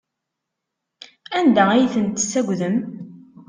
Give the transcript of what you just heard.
Anda ay ten-tessagdem?